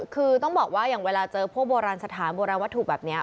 คือต้องบอกว่าอย่างเวลาเจอพวกโบราณสถานโบราณวัตถุแบบนี้